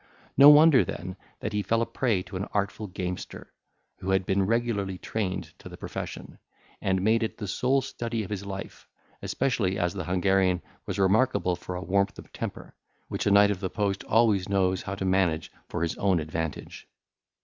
No wonder then that he fell a prey to an artful gamester, who had been regularly trained to the profession, and made it the sole study of his life; especially as the Hungarian was remarkable for a warmth of temper, which a knight of the post always knows how to manage for his own advantage.